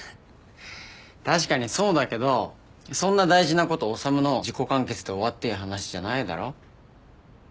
確かにそうだけどそんな大事なこと修の自己完結で終わっていい話じゃないだろ？